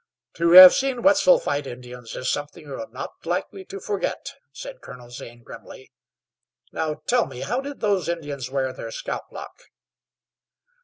"To have seen Wetzel fight Indians is something you are not likely to forget," said Colonel Zane grimly. "Now, tell me, how did those Indians wear their scalp lock?"